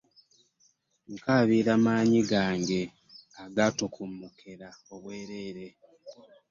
Nkaabira maanyi gange agaatokomokera obwereere.